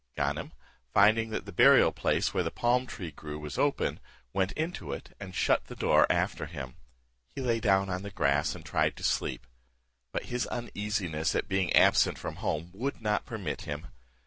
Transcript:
Ganem, finding that the burial place where the palm tree grew was open, went into it, and shut the door after him. He lay down on the grass and tried to sleep; but his uneasiness at being absent from home would not permit him.